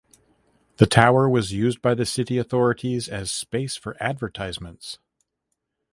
The tower was used by the city authorities as space for advertisements.